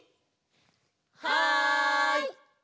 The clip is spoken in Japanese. はい！